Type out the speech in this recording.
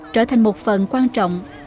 trở thành một phần quan trọng của người dân